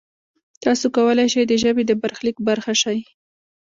تاسو کولای شئ د ژبې د برخلیک برخه شئ.